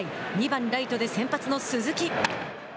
２番ライトで先発の鈴木。